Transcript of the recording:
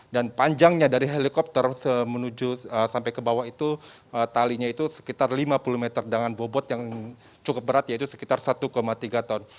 dan panjangnya dari helikopter menuju sampai ke bawah itu talinya itu sekitar lima puluh meter dengan bobot yang cukup berat yaitu sekitar satu tiga ton